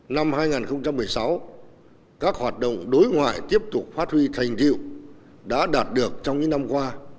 năm hai nghìn một mươi sáu các hoạt động đối ngoại tiếp tục phát huy thành tiệu đã đạt được trong những năm qua